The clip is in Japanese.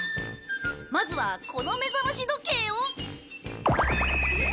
まずはこの目覚まし時計を。